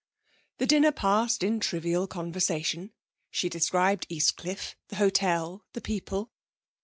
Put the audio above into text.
The dinner passed in trivial conversation. She described Eastcliff, the hotel, the people.